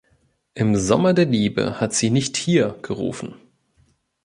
Im Sommer der Liebe hat sie nicht "hier" gerufen.